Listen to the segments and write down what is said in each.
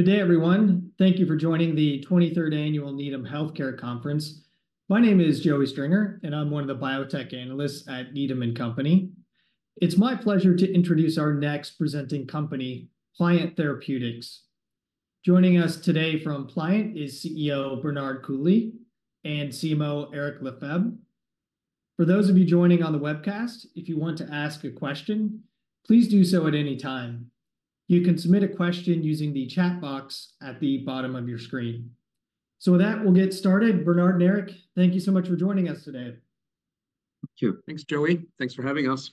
Good day, everyone. Thank you for joining the 23rd Annual Needham Healthcare conference. My name is Joey Stringer, and I'm one of the biotech analysts at Needham & Company. It's my pleasure to introduce our next presenting company, Pliant Therapeutics. Joining us today from Pliant is CEO Bernard Coulie and CMO Éric Lefebvre. For those of you joining on the webcast, if you want to ask a question, please do so at any time. You can submit a question using the chat box at the bottom of your screen. With that, we'll get started. Bernard and Éric, thank you so much for joining us today. Thank you. Thanks, Joey. Thanks for having us.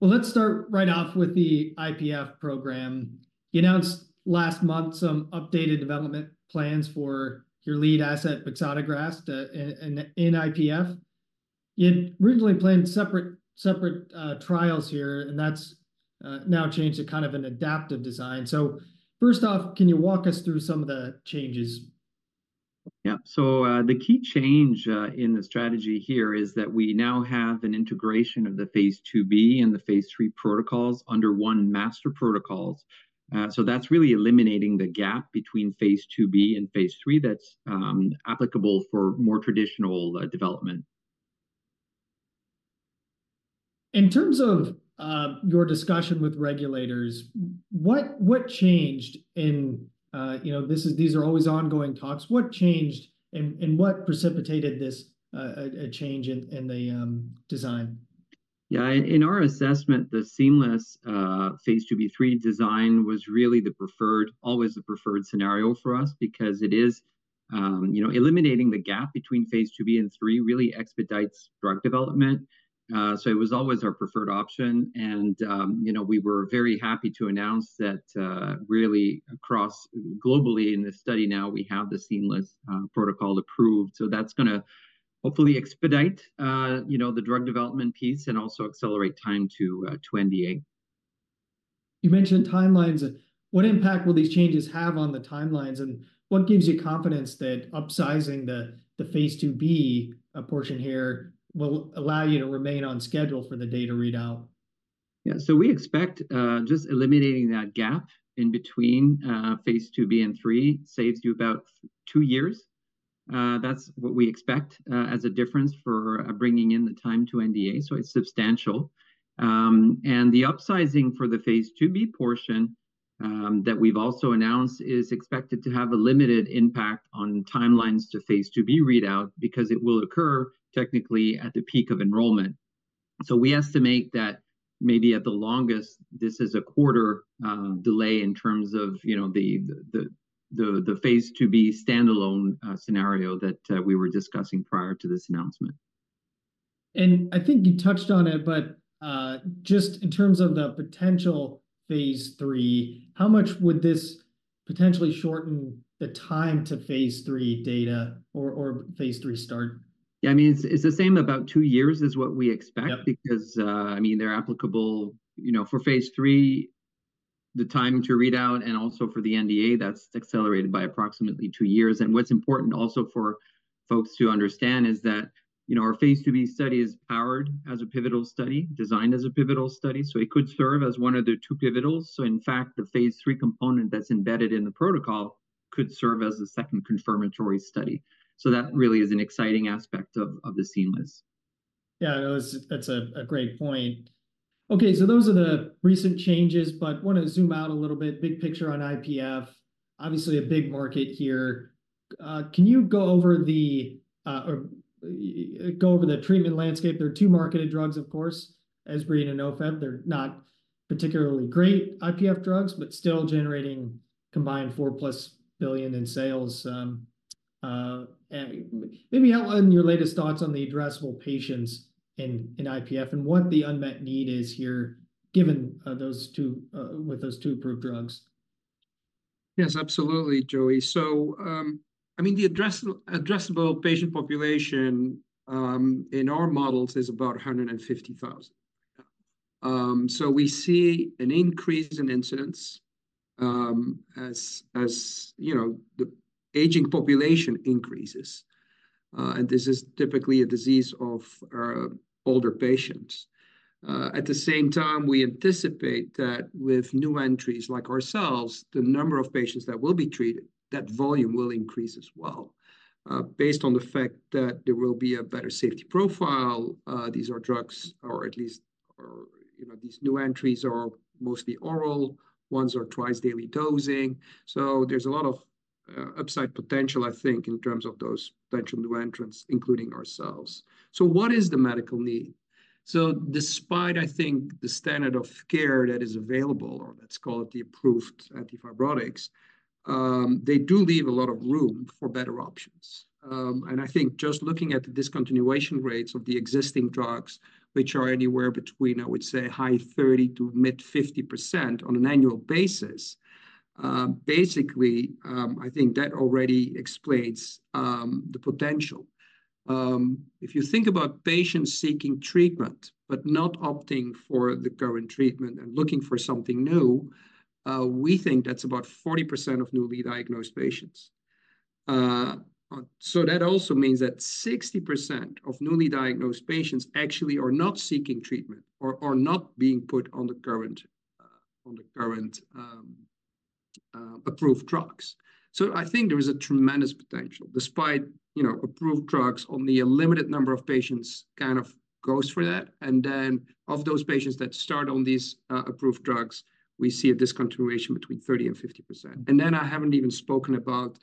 Well, let's start right off with the IPF program. You announced last month some updated development plans for your lead asset, bexotegrast, in IPF. You had originally planned separate trials here, and that's now changed to kind of an adaptive design. So first off, can you walk us through some of the changes? Yeah. So the key change in the strategy here is that we now have an integration of the phase II-B and the phase III protocols under one master protocol. So that's really eliminating the gap between phase II-B and phase III that's applicable for more traditional development. In terms of your discussion with regulators, what changed in these are always ongoing talks? What changed and what precipitated this change in the design? Yeah. In our assessment, the seamless phase II-B/III design was really always the preferred scenario for us because it is eliminating the gap between phase II-B and III really expedites drug development. So it was always our preferred option. And we were very happy to announce that really across globally in this study now, we have the seamless protocol approved. So that's going to hopefully expedite the drug development piece and also accelerate time to NDA. You mentioned timelines. What impact will these changes have on the timelines, and what gives you confidence that upsizing the Phase IIB portion here will allow you to remain on schedule for the data readout? Yeah. So we expect just eliminating that gap in between phase II-B and III saves you about two years. That's what we expect as a difference for bringing in the time to NDA. So it's substantial. And the upsizing for the phase II-B portion that we've also announced is expected to have a limited impact on timelines to phase II-B readout because it will occur technically at the peak of enrollment. So we estimate that maybe at the longest, this is a quarter delay in terms of the phase II-B standalone scenario that we were discussing prior to this announcement. I think you touched on it, but just in terms of the potential phase III, how much would this potentially shorten the time to phase III data or phase III start? Yeah. I mean, it's the same, about two years is what we expect because, I mean, they're applicable for phase III, the time to readout, and also for the NDA, that's accelerated by approximately two years. And what's important also for folks to understand is that our phase II-B study is powered as a pivotal study, designed as a pivotal study. So it could serve as one of the two pivotals. So in fact, the phase III component that's embedded in the protocol could serve as a second confirmatory study. So that really is an exciting aspect of the seamless. Yeah. That's a great point. Okay. So those are the recent changes. But I want to zoom out a little bit, big picture on IPF. Obviously, a big market here. Can you go over the treatment landscape? There are two marketed drugs, of course, Esbriet and Ofev. They're not particularly great IPF drugs, but still generating combined $4+ billion in sales. Maybe outline your latest thoughts on the addressable patients in IPF and what the unmet need is here given with those two approved drugs. Yes, absolutely, Joey. So I mean, the addressable patient population in our models is about 150,000 right now. So we see an increase in incidence as the aging population increases. And this is typically a disease of older patients. At the same time, we anticipate that with new entries like ourselves, the number of patients that will be treated, that volume will increase as well based on the fact that there will be a better safety profile. These are drugs, or at least these new entries are mostly oral. Ones are twice daily dosing. So there's a lot of upside potential, I think, in terms of those potential new entrants, including ourselves. So what is the medical need? So despite, I think, the standard of care that is available, or let's call it the approved anti-fibrotics, they do leave a lot of room for better options. I think just looking at the discontinuation rates of the existing drugs, which are anywhere between, I would say, high 30%-mid 50% on an annual basis, basically, I think that already explains the potential. If you think about patients seeking treatment but not opting for the current treatment and looking for something new, we think that's about 40% of newly diagnosed patients. That also means that 60% of newly diagnosed patients actually are not seeking treatment or are not being put on the current approved drugs. I think there is a tremendous potential despite approved drugs only a limited number of patients kind of goes for that. Then of those patients that start on these approved drugs, we see a discontinuation between 30%-50%. Then I haven't even spoken about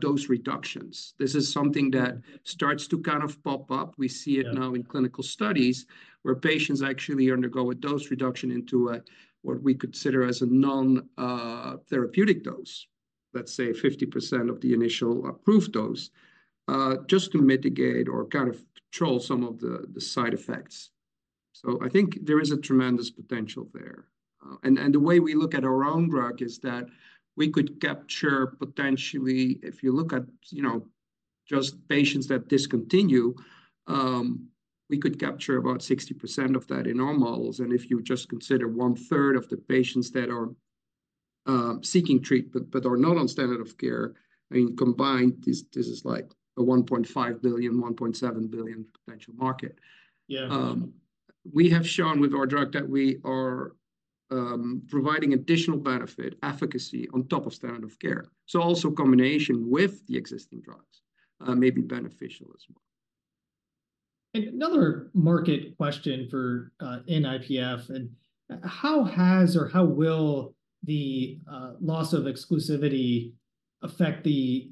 dose reductions. This is something that starts to kind of pop up. We see it now in clinical studies where patients actually undergo a dose reduction into what we consider as a non-therapeutic dose, let's say 50% of the initial approved dose, just to mitigate or kind of control some of the side effects. So I think there is a tremendous potential there. And the way we look at our own drug is that we could capture potentially if you look at just patients that discontinue, we could capture about 60% of that in our models. And if you just consider 1/3 of the patients that are seeking treatment but are not on standard of care, I mean, combined, this is like a $1.5 billion-$1.7 billion potential market. We have shown with our drug that we are providing additional benefit, efficacy on top of standard of care. Also, combination with the existing drugs may be beneficial as well. Another market question in IPF, and how the loss of exclusivity affect the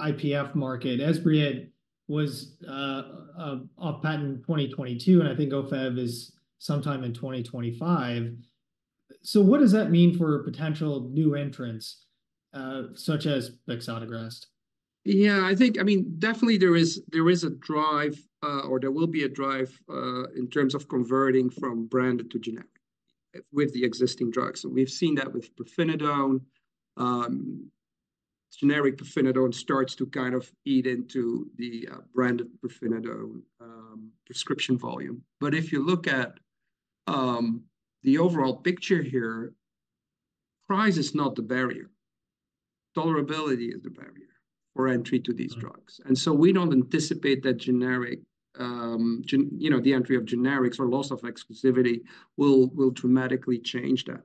IPF market? Esbriet was off patent in 2022, and I think Ofev is sometime in 2025. So what does that mean for potential new entrants such as bexotegrast? Yeah. I think, I mean, definitely there is a drive or there will be a drive in terms of converting from branded to generic with the existing drugs. And we've seen that with pirfenidone. Generic pirfenidone starts to kind of eat into the branded pirfenidone prescription volume. But if you look at the overall picture here, price is not the barrier. Tolerability is the barrier for entry to these drugs. And so we don't anticipate that the entry of generics or loss of exclusivity will dramatically change that.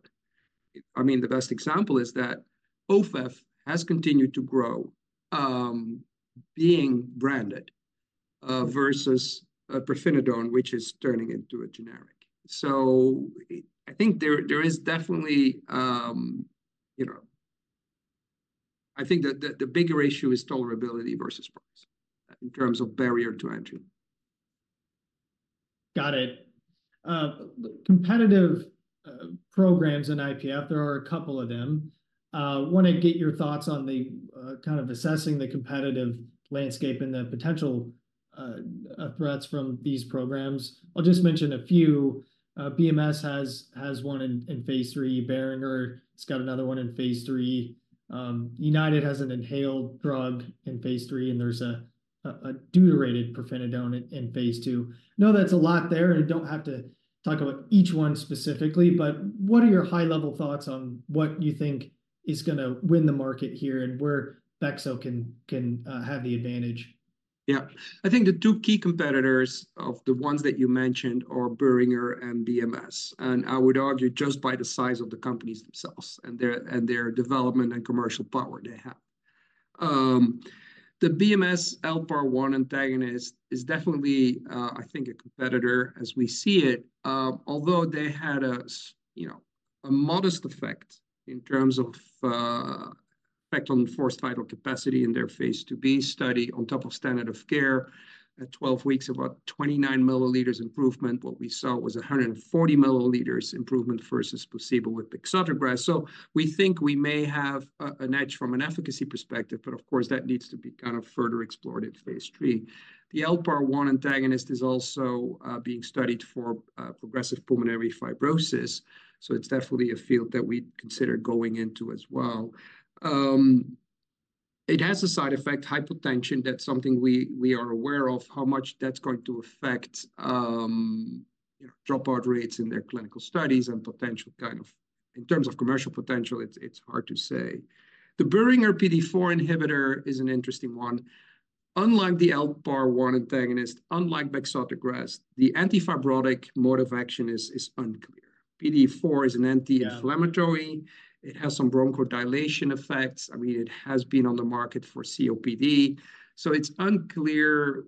I mean, the best example is that Ofev has continued to grow being branded versus pirfenidone, which is turning into a generic. So I think there is definitely I think that the bigger issue is tolerability versus price in terms of barrier to entry. Got it. Competitive programs in IPF, there are a couple of them. I want to get your thoughts on kind of assessing the competitive landscape and the potential threats from these programs. I'll just mention a few. BMS has one in phase III, Boehringer. It's got another one in phase III. United has an inhaled drug in phase III, and there's a deuterated pirfenidone in phase II. I know that's a lot there, and you don't have to talk about each one specifically. But what are your high-level thoughts on what you think is going to win the market here and where Bexo can have the advantage? Yeah. I think the two key competitors of the ones that you mentioned are Boehringer and BMS. I would argue just by the size of the companies themselves and their development and commercial power they have. The BMS LPAR-1 antagonist is definitely, I think, a competitor as we see it, although they had a modest effect in terms of effect on forced vital capacity in their phase IIb study on top of standard of care. At 12 weeks, about 29 mL improvement. What we saw was 140 mL improvement versus placebo with bexotegrast. So we think we may have an edge from an efficacy perspective, but of course, that needs to be kind of further explored in phase III. The LPAR-1 antagonist is also being studied for progressive pulmonary fibrosis. So it's definitely a field that we'd consider going into as well. It has a side effect, hypotension, that's something we are aware of how much that's going to affect dropout rates in their clinical studies and potential kind of in terms of commercial potential, it's hard to say. The Boehringer PDE4 inhibitor is an interesting one. Unlike the LPAR-1 antagonist, unlike bexotegrast, the anti-fibrotic mode of action is unclear. PDE4 is an anti-inflammatory. It has some bronchodilation effects. I mean, it has been on the market for COPD. So it's unclear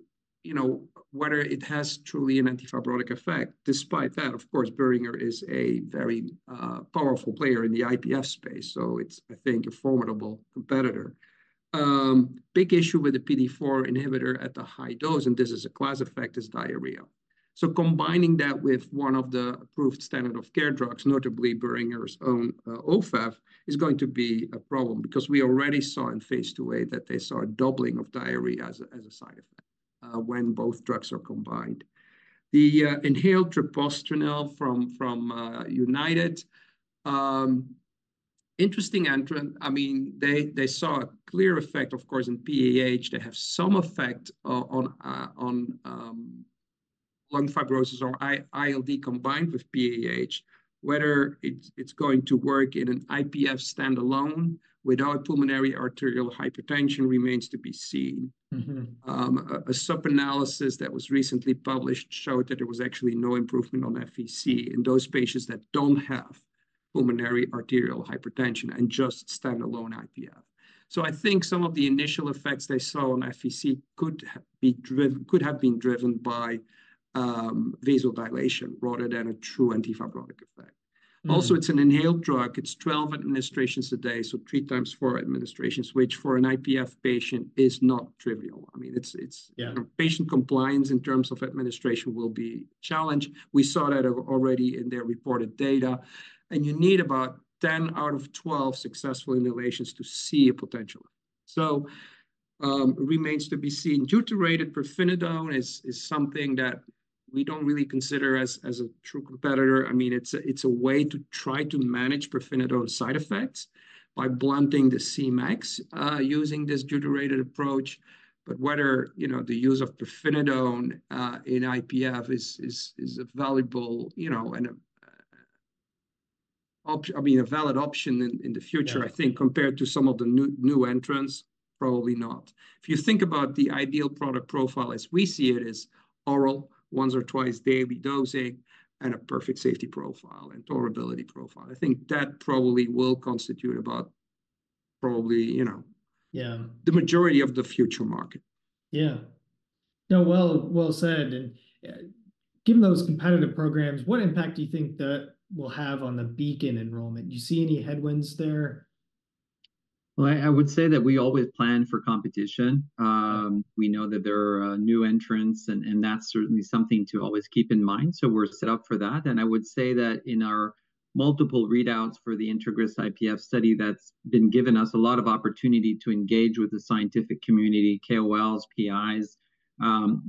whether it has truly an anti-fibrotic effect. Despite that, of course, Boehringer is a very powerful player in the IPF space. So it's, I think, a formidable competitor. Big issue with the PDE4 inhibitor at the high dose, and this is a class effect, is diarrhea. So combining that with one of the approved standard of care drugs, notably Boehringer's own Ofev, is going to be a problem because we already saw in phase II-A that they saw a doubling of diarrhea as a side effect when both drugs are combined. The inhaled treprostinil from United, interesting entrant. I mean, they saw a clear effect, of course, in PAH. They have some effect on lung fibrosis or ILD combined with PAH. Whether it's going to work in an IPF standalone without pulmonary arterial hypertension remains to be seen. A sub-analysis that was recently published showed that there was actually no improvement on FVC in those patients that don't have pulmonary arterial hypertension and just standalone IPF. So I think some of the initial effects they saw on FVC could have been driven by vasodilation rather than a true anti-fibrotic effect. Also, it's an inhaled drug. It's 12 administrations a day, so three times four administrations, which for an IPF patient is not trivial. I mean, patient compliance in terms of administration will be challenged. We saw that already in their reported data. And you need about 10 out of 12 successful inhalations to see a potential effect. So it remains to be seen. Deuterated pirfenidone is something that we don't really consider as a true competitor. I mean, it's a way to try to manage pirfenidone side effects by blunting the Cmax using this deuterated approach. But whether the use of pirfenidone in IPF is a valuable and, I mean, a valid option in the future, I think, compared to some of the new entrants, probably not. If you think about the ideal product profile as we see it, it's oral, once or twice daily dosing, and a perfect safety profile and tolerability profile. I think that probably will constitute about probably the majority of the future market. Yeah. No, well said. Given those competitive programs, what impact do you think that will have on the Beacon enrollment? Do you see any headwinds there? Well, I would say that we always plan for competition. We know that there are new entrants, and that's certainly something to always keep in mind. So we're set up for that. And I would say that in our multiple readouts for the INTEGRIS-IPF study, that's been given us a lot of opportunity to engage with the scientific community, KOLs, PIs.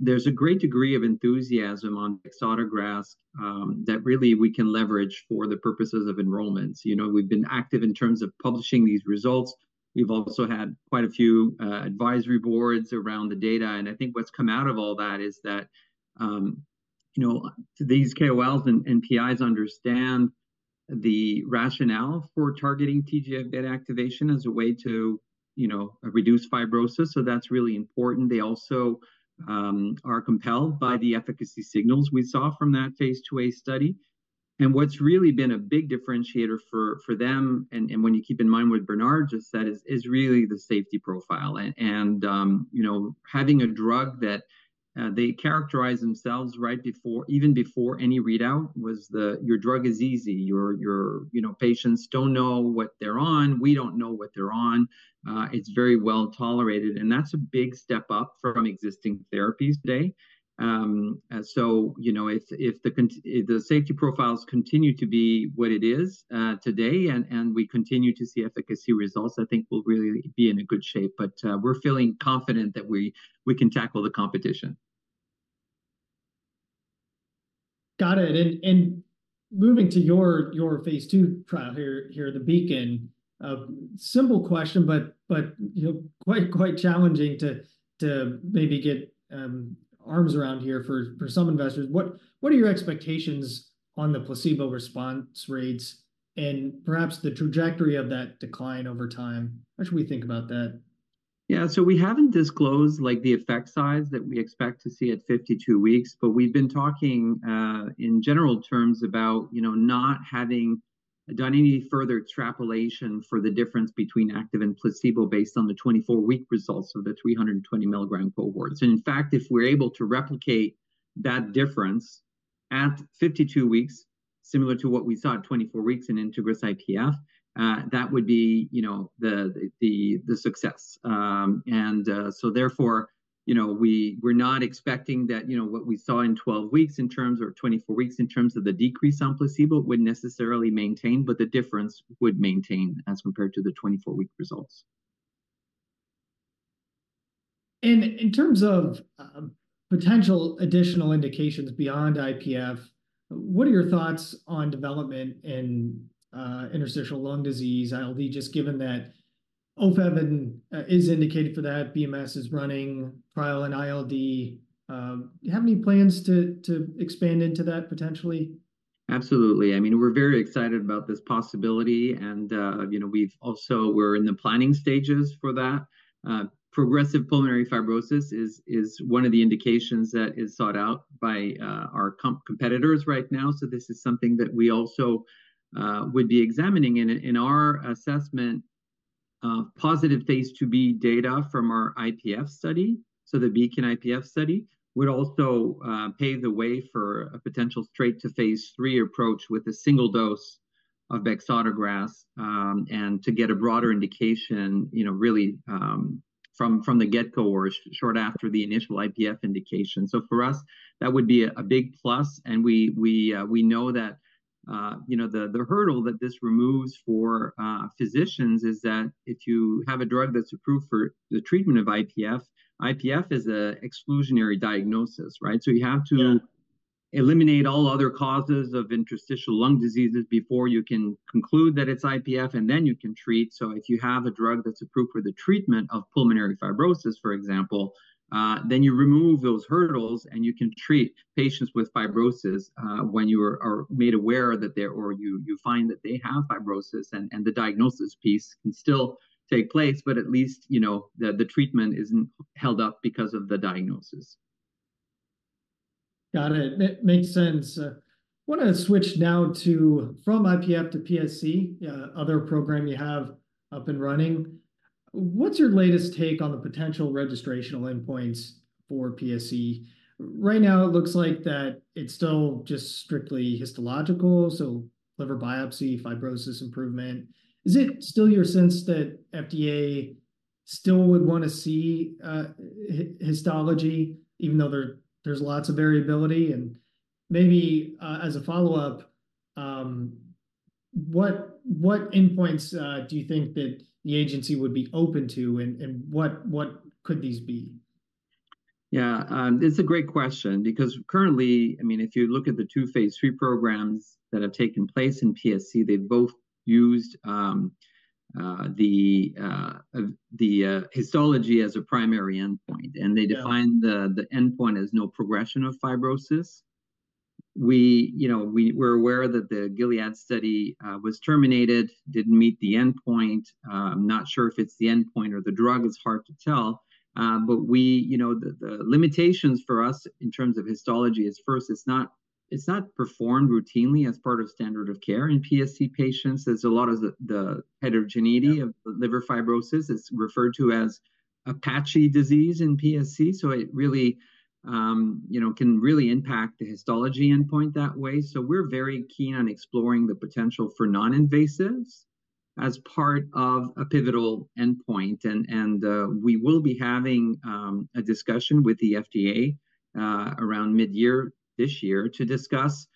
There's a great degree of enthusiasm on bexotegrast that really we can leverage for the purposes of enrollments. We've been active in terms of publishing these results. We've also had quite a few advisory boards around the data. And I think what's come out of all that is that these KOLs and PIs understand the rationale for targeting TGF-β activation as a way to reduce fibrosis. So that's really important. They also are compelled by the efficacy signals we saw from that phase IIa study. What's really been a big differentiator for them, and when you keep in mind what Bernard just said, is really the safety profile. Having a drug that they characterize themselves right before, even before any readout, was the, "Your drug is easy. Patients don't know what they're on. We don't know what they're on. It's very well tolerated." That's a big step up from existing therapies today. If the safety profiles continue to be what it is today and we continue to see efficacy results, I think we'll really be in a good shape. We're feeling confident that we can tackle the competition. Got it. And moving to your phase II trial here, the Beacon, simple question, but quite challenging to maybe get arms around here for some investors. What are your expectations on the placebo response rates and perhaps the trajectory of that decline over time? How should we think about that? Yeah. So we haven't disclosed the effect size that we expect to see at 52 weeks, but we've been talking in general terms about not having done any further extrapolation for the difference between active and placebo based on the 24-week results of the 320-mg cohorts. And in fact, if we're able to replicate that difference at 52 weeks, similar to what we saw at 24 weeks in INTEGRIS-IPF, that would be the success. And so therefore, we're not expecting that what we saw in 12 weeks in terms or 24 weeks in terms of the decrease on placebo would necessarily maintain, but the difference would maintain as compared to the 24-week results. In terms of potential additional indications beyond IPF, what are your thoughts on development in interstitial lung disease, ILD, just given that Ofev is indicated for that, BMS is running trial in ILD? Do you have any plans to expand into that potentially? Absolutely. I mean, we're very excited about this possibility. We're in the planning stages for that. Progressive pulmonary fibrosis is one of the indications that is sought out by our competitors right now. This is something that we also would be examining in our assessment. Positive phase II-B data from our IPF study, so the BEACON-IPF study, would also pave the way for a potential straight-to-phase III approach with a single dose of bexotegrast and to get a broader indication really from the get-go, or short after the initial IPF indication. For us, that would be a big plus. We know that the hurdle that this removes for physicians is that if you have a drug that's approved for the treatment of IPF, IPF is an exclusionary diagnosis, right? So you have to eliminate all other causes of interstitial lung diseases before you can conclude that it's IPF, and then you can treat. So if you have a drug that's approved for the treatment of pulmonary fibrosis, for example, then you remove those hurdles, and you can treat patients with fibrosis when you are made aware that they're or you find that they have fibrosis, and the diagnosis piece can still take place, but at least the treatment isn't held up because of the diagnosis. Got it. That makes sense. I want to switch now to from IPF to PSC, other program you have up and running. What's your latest take on the potential registrational endpoints for PSC? Right now, it looks like that it's still just strictly histological, so liver biopsy, fibrosis improvement. Is it still your sense that FDA still would want to see histology, even though there's lots of variability? And maybe as a follow-up, what endpoints do you think that the agency would be open to, and what could these be? Yeah. It's a great question because currently, I mean, if you look at the two phase III programs that have taken place in PSC, they've both used the histology as a primary endpoint, and they define the endpoint as no progression of fibrosis. We're aware that the Gilead study was terminated, didn't meet the endpoint. I'm not sure if it's the endpoint or the drug. It's hard to tell. But the limitations for us in terms of histology is, first, it's not performed routinely as part of standard of care in PSC patients. There's a lot of the heterogeneity of liver fibrosis. It's referred to as a patchy disease in PSC. So it can really impact the histology endpoint that way. So we're very keen on exploring the potential for non-invasives as part of a pivotal endpoint. We will be having a discussion with the FDA around mid-year this year to discuss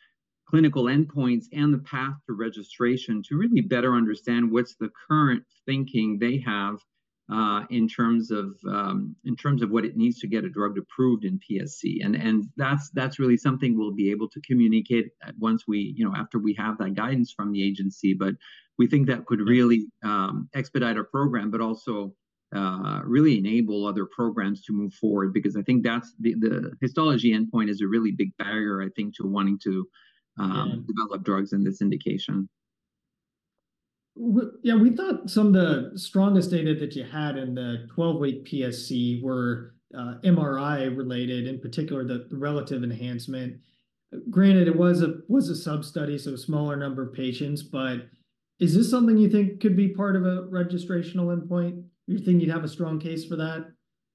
clinical endpoints and the path to registration to really better understand what's the current thinking they have in terms of what it needs to get a drug approved in PSC. That's really something we'll be able to communicate once we have that guidance from the agency. We think that could really expedite our program, but also really enable other programs to move forward because I think the histology endpoint is a really big barrier, I think, to wanting to develop drugs in this indication. Yeah. We thought some of the strongest data that you had in the 12-week PSC were MRI-related, in particular, the relative enhancement. Granted, it was a sub-study, so a smaller number of patients. But is this something you think could be part of a registrational endpoint? You're thinking you'd have a strong case for that?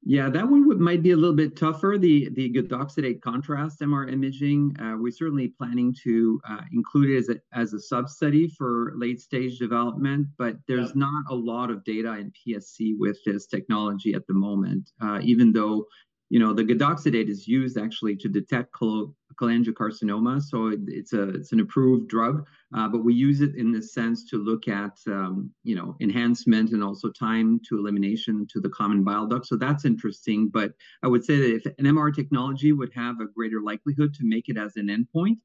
Yeah. That one might be a little bit tougher, the gadoxetate contrast MR imaging. We're certainly planning to include it as a sub-study for late-stage development. But there's not a lot of data in PSC with this technology at the moment, even though the gadoxetate is used actually to detect cholangiocarcinoma. So it's an approved drug. But we use it in the sense to look at enhancement and also time to elimination to the common bile duct. So that's interesting. But I would say that if an MR technology would have a greater likelihood to make it as an endpoint,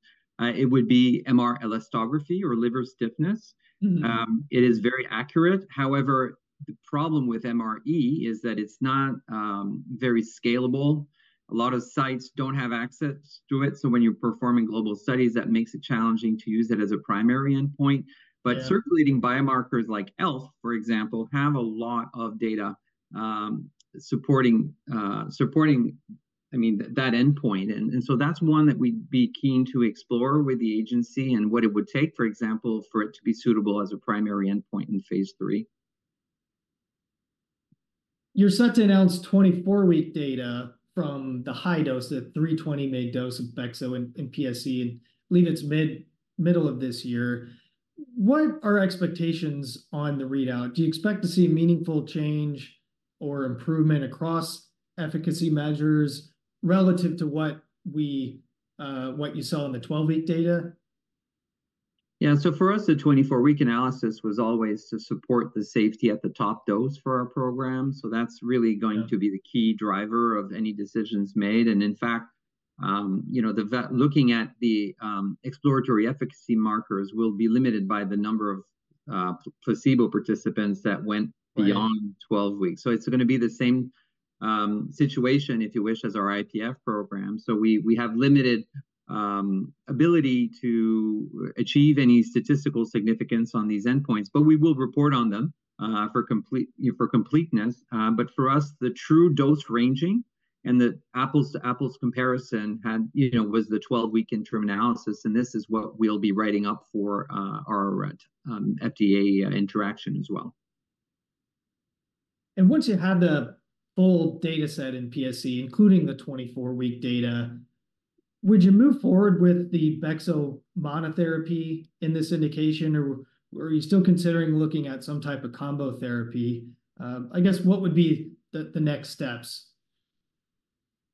it would be MR elastography or liver stiffness. It is very accurate. However, the problem with MRE is that it's not very scalable. A lot of sites don't have access to it. So when you're performing global studies, that makes it challenging to use it as a primary endpoint. But circulating biomarkers like ELF, for example, have a lot of data supporting, I mean, that endpoint. And so that's one that we'd be keen to explore with the agency and what it would take, for example, for it to be suitable as a primary endpoint in phase III. You're set to announce 24-week data from the high dose, the 320-mg dose of bexotegrast in PSC, and believe it's middle of this year. What are expectations on the readout? Do you expect to see meaningful change or improvement across efficacy measures relative to what you saw in the 12-week data? Yeah. So for us, the 24-week analysis was always to support the safety at the top dose for our program. So that's really going to be the key driver of any decisions made. And in fact, looking at the exploratory efficacy markers will be limited by the number of placebo participants that went beyond 12 weeks. So it's going to be the same situation, if you wish, as our IPF program. So we have limited ability to achieve any statistical significance on these endpoints, but we will report on them for completeness. But for us, the true dose ranging and the apples-to-apples comparison was the 12-week interim analysis. And this is what we'll be writing up for our FDA interaction as well. Once you had the full dataset in PSC, including the 24-week data, would you move forward with the Bexo monotherapy in this indication, or are you still considering looking at some type of combo therapy? I guess what would be the next steps?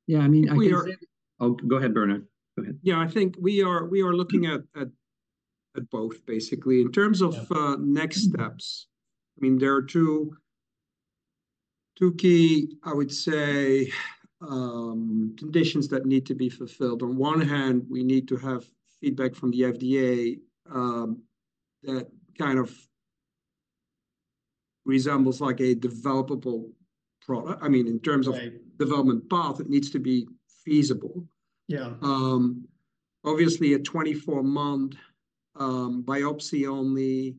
Yeah. I mean, I guess. Oh, go ahead, Bernard. Go ahead. Yeah. I think we are looking at both, basically. In terms of next steps, I mean, there are two key, I would say, conditions that need to be fulfilled. On one hand, we need to have feedback from the FDA that kind of resembles a developable product. I mean, in terms of development path, it needs to be feasible. Obviously, a 24-month biopsy-only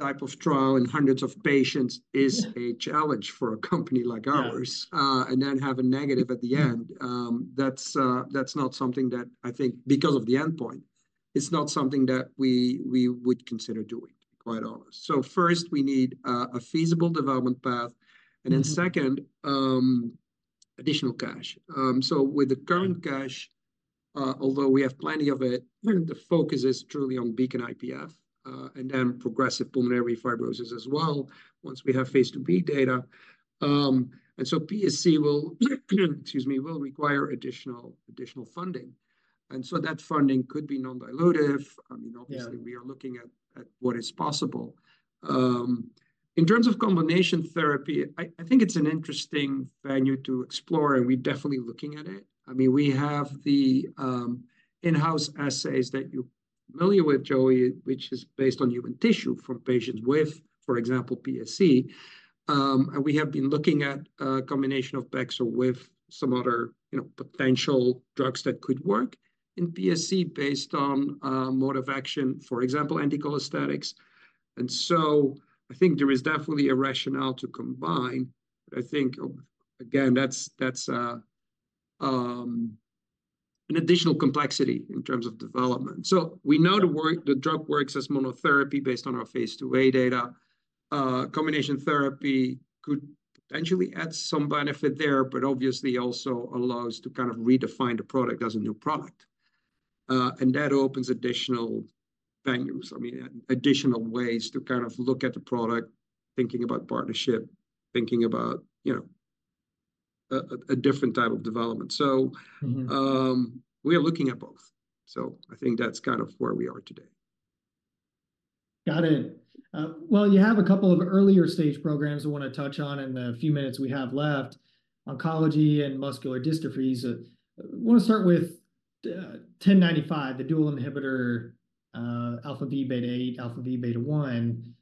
type of trial in hundreds of patients is a challenge for a company like ours, and then have a negative at the end. That's not something that I think because of the endpoint, it's not something that we would consider doing, to be quite honest. So first, we need a feasible development path. And then second, additional cash. So with the current cash, although we have plenty of it, the focus is truly on BEACON-IPF and then progressive pulmonary fibrosis as well once we have phase II-B data. PSC will, excuse me, require additional funding. That funding could be non-dilutive. I mean, obviously, we are looking at what is possible. In terms of combination therapy, I think it's an interesting venue to explore, and we're definitely looking at it. I mean, we have the in-house assays that you're familiar with, Joey, which is based on human tissue from patients with, for example, PSC. We have been looking at a combination of Bexo with some other potential drugs that could work in PSC based on mode of action, for example, anticholestatics. So I think there is definitely a rationale to combine. But I think, again, that's an additional complexity in terms of development. So we know the drug works as monotherapy based on our phase II-A data. Combination therapy could potentially add some benefit there, but obviously also allows to kind of redefine the product as a new product. And that opens additional avenues, I mean, additional ways to kind of look at the product, thinking about partnership, thinking about a different type of development. So we are looking at both. So I think that's kind of where we are today. Got it. Well, you have a couple of earlier stage programs I want to touch on in the few minutes we have left: oncology and muscular dystrophies. I want to start with 1095, the dual inhibitor alpha-v beta 8, alpha-v beta 1.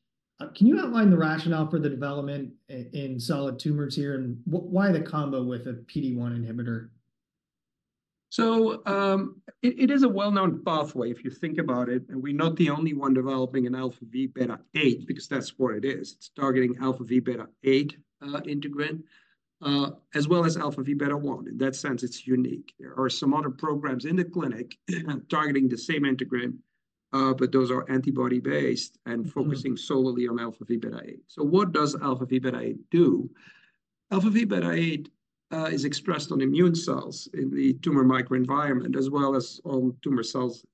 Can you outline the rationale for the development in solid tumors here and why the combo with a PD-1 inhibitor? So it is a well-known pathway, if you think about it. And we're not the only one developing an αvβ8 because that's what it is. It's targeting αvβ8 integrin as well as αvβ1. In that sense, it's unique. There are some other programs in the clinic targeting the same integrin, but those are antibody-based and focusing solely on αvβ8. So what does αvβ8 do? αvβ8 is expressed on immune cells in the tumor microenvironment as well as on tumor cells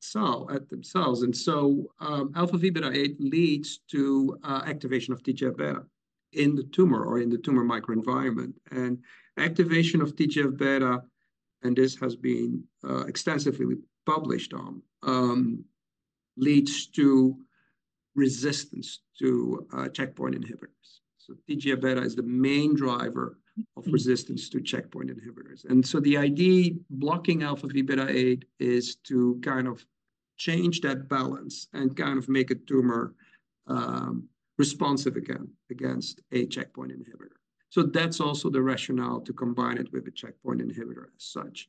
themselves. And so αvβ8 leads to activation of TGF-β in the tumor or in the tumor microenvironment. And activation of TGF-β, and this has been extensively published on, leads to resistance to checkpoint inhibitors. So TGF-β is the main driver of resistance to checkpoint inhibitors. And so the idea blocking αvβ8 is to kind of change that balance and kind of make a tumor responsive again against a checkpoint inhibitor. So that's also the rationale to combine it with a checkpoint inhibitor as such.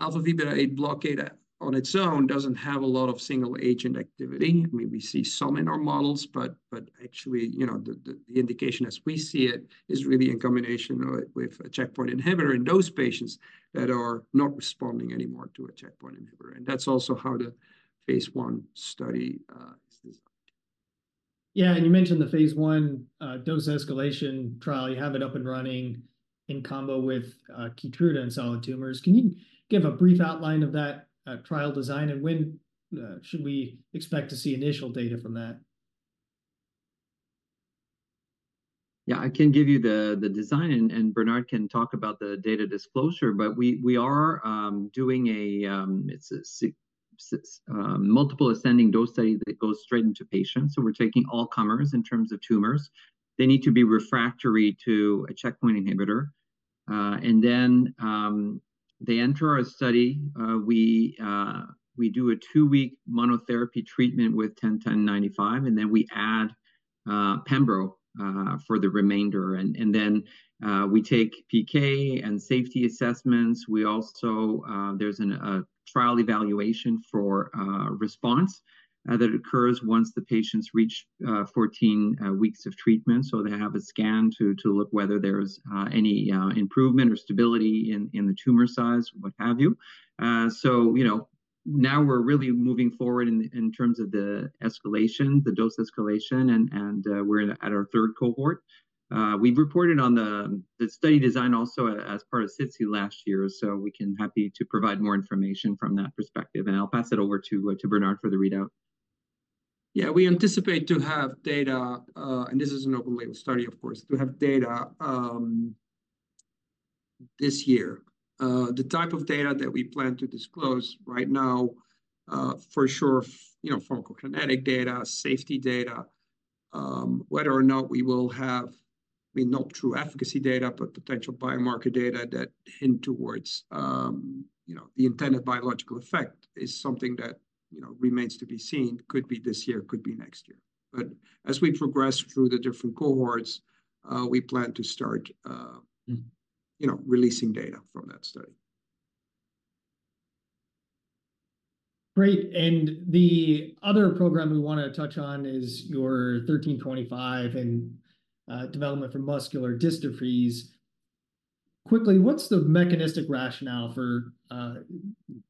αvβ8 blockade on its own doesn't have a lot of single-agent activity. I mean, we see some in our models. But actually, the indication as we see it is really in combination with a checkpoint inhibitor in those patients that are not responding anymore to a checkpoint inhibitor. And that's also how the phase I study is designed. Yeah. You mentioned the phase I dose escalation trial. You have it up and running in combo with Keytruda in solid tumors. Can you give a brief outline of that trial design, and when should we expect to see initial data from that? Yeah. I can give you the design, and Bernard can talk about the data disclosure. But we are doing a multiple ascending dose study that goes straight into patients. So we're taking all comers in terms of tumors. They need to be refractory to a checkpoint inhibitor. And then they enter our study. We do a two-week monotherapy treatment with 101095, and then we add Pembro for the remainder. And then we take PK and safety assessments. There's a trial evaluation for response that occurs once the patients reach 14 weeks of treatment. So they have a scan to look whether there's any improvement or stability in the tumor size, what have you. So now we're really moving forward in terms of the dose escalation, and we're at our third cohort. We've reported on the study design also as part of SITC last year. We can be happy to provide more information from that perspective. I'll pass it over to Bernard for the readout. Yeah. We anticipate to have data, and this is an open-label study, of course, to have data this year. The type of data that we plan to disclose right now, for sure, pharmacokinetic data, safety data, whether or not we will have, I mean, not true efficacy data, but potential biomarker data, that hint towards the intended biological effect is something that remains to be seen, could be this year, could be next year. But as we progress through the different cohorts, we plan to start releasing data from that study. Great. The other program we want to touch on is your 1325 and development for muscular dystrophies. Quickly, what's the mechanistic rationale for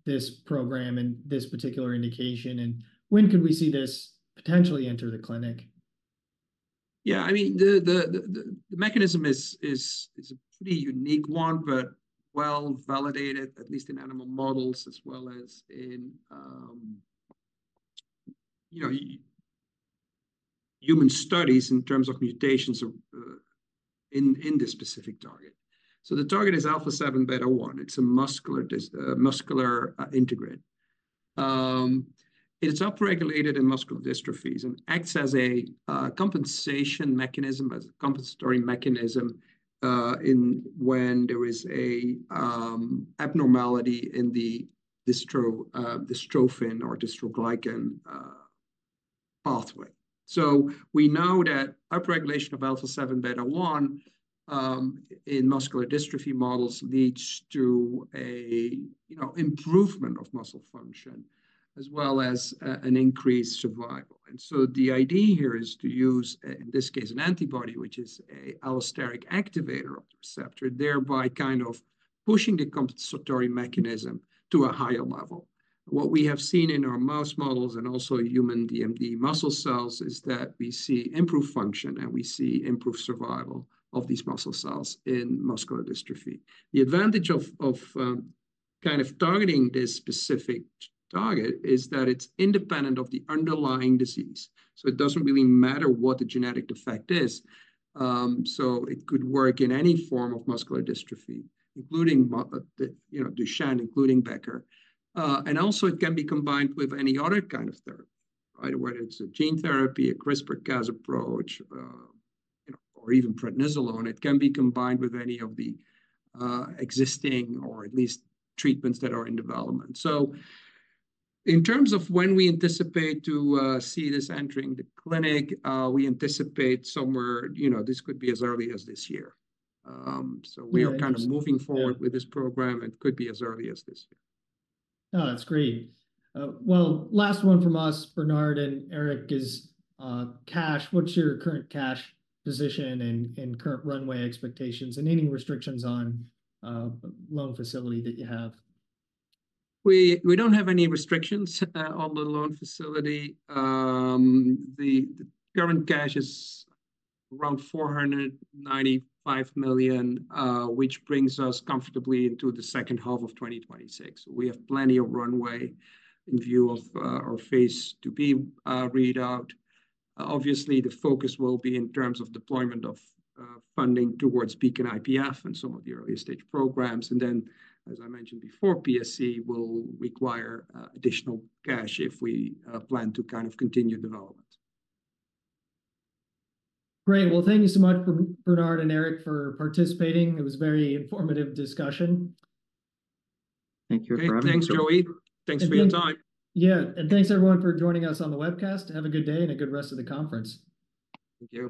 this program and this particular indication? When could we see this potentially enter the clinic? Yeah. I mean, the mechanism is a pretty unique one, but well-validated, at least in animal models as well as in human studies in terms of mutations in this specific target. The target is alpha-7 beta-1. It's a muscular integrin. It's upregulated in muscular dystrophies and acts as a compensation mechanism, as a compensatory mechanism when there is an abnormality in the dystrophin or dystroglycan pathway. We know that upregulation of alpha-7 beta-1 in muscular dystrophy models leads to an improvement of muscle function as well as an increased survival. The idea here is to use, in this case, an antibody, which is an allosteric activator of the receptor, thereby kind of pushing the compensatory mechanism to a higher level. What we have seen in our mouse models and also human DMD muscle cells is that we see improved function, and we see improved survival of these muscle cells in muscular dystrophy. The advantage of kind of targeting this specific target is that it's independent of the underlying disease. So it doesn't really matter what the genetic defect is. So it could work in any form of muscular dystrophy, including Duchenne, including Becker. And also, it can be combined with any other kind of therapy, right, whether it's a gene therapy, a CRISPR-Cas approach, or even prednisolone. It can be combined with any of the existing or at least treatments that are in development. So in terms of when we anticipate to see this entering the clinic, we anticipate somewhere this could be as early as this year. So we are kind of moving forward with this program. It could be as early as this year. No, that's great. Well, last one from us, Bernard and Éric, is cash. What's your current cash position and current runway expectations and any restrictions on loan facility that you have? We don't have any restrictions on the loan facility. The current cash is around $495 million, which brings us comfortably into the second half of 2026. We have plenty of runway in view of our Phase IIB readout. Obviously, the focus will be in terms of deployment of funding towards BEACON-IPF and some of the earlier-stage programs. And then, as I mentioned before, PSC will require additional cash if we plan to kind of continue development. Great. Well, thank you so much, Bernard and Éric, for participating. It was a very informative discussion. Thank you for having us. Thanks, Joey. Thanks for your time. Yeah. Thanks, everyone, for joining us on the webcast. Have a good day and a good rest of the conference. Thank you.